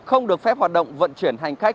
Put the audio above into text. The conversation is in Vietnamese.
không được phép hoạt động vận chuyển hành khách